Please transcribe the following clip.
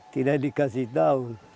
tidak dikasih tahu